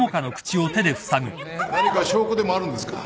何か証拠でもあるんですか？